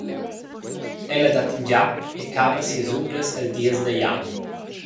Ella dat in giap e cava sias unglas el dies da Jan.